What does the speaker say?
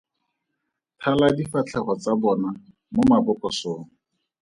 Thala difatlhego tsa bona mo mabokosong.